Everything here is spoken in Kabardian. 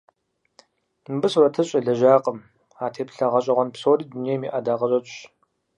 Мыбы сурэтыщӀ елэжьакъым; а теплъэ гъэщӀэгъуэн псори дунейм и ӀэдакъэщӀэкӀщ.